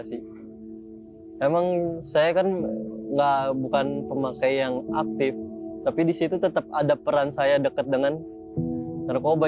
memang saya bukan pemakai yang aktif tapi di situ tetap ada peran saya dekat dengan narkoba